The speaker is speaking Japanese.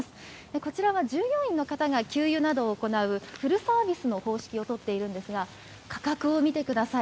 こちらは従業員の方が給油などを行うフルサービスの方式を取っているんですが、価格を見てください。